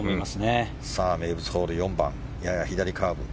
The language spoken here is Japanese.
名物ホール、４番やや左カーブ。